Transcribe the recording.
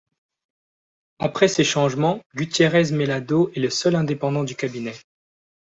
Après ces changements, Gutiérrez Mellado est le seul indépendant du cabinet.